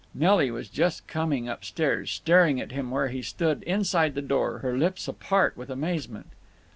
Nelly was just coming up stairs, staring at him where he stood inside the door, her lips apart with amazement.